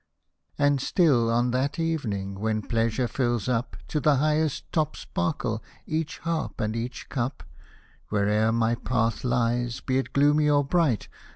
And still on that evening, w^hen pleasure fills up To the highest top sparkle each heart and each cup. Where'er my path lies, be it gloomy or bright.